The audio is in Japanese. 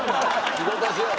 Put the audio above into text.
仕事しよう。